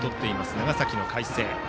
長崎の海星。